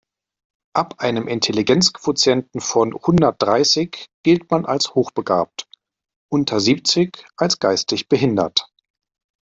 Ab einem Intelligenzquotienten von hundertdreißig gilt man als hochbegabt, unter siebzig als geistig behindert.